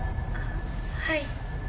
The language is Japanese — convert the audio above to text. はい。